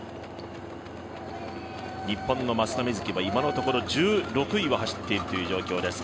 日本の松田瑞生は今のところ１６位を走っているという状況です。